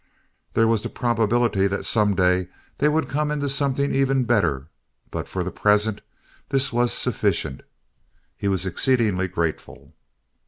There was the probability that some day they would come into something even better, but for the present this was sufficient. He was exceedingly grateful.